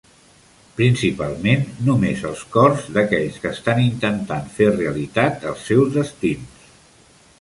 Principalment només els cors d'aquells que estan intentant fer realitat els seus destins.